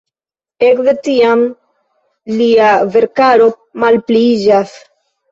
Ekde tiam lia verkaro malpliiĝas.